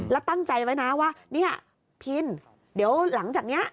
แล้วตั้งใจไว้นะว่าเนี่ยพินเดี๋ยวหลังจากนี้